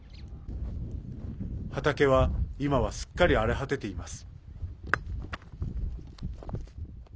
畑は、今はすっかり荒れ果てています。